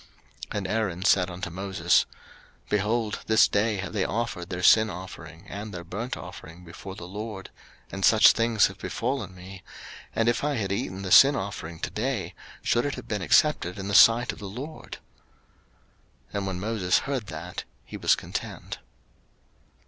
03:010:019 And Aaron said unto Moses, Behold, this day have they offered their sin offering and their burnt offering before the LORD; and such things have befallen me: and if I had eaten the sin offering to day, should it have been accepted in the sight of the LORD? 03:010:020 And when Moses heard that, he was content.